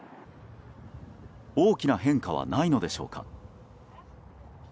大きな変化はないのでしょうか。